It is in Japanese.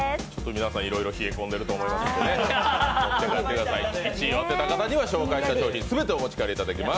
皆さん、いろいろ冷え込んでいるかと思いますが１位を当てた方には、紹介したとおり、全て持ち帰っていただきます。